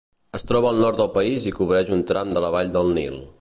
Es troba al nord del país i cobreix un tram de la vall del Nil.